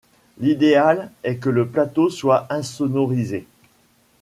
L'idéal est que le plateau soit insonorisé.